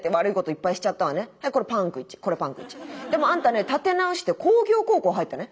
でもあんたね立て直して工業高校入ったね。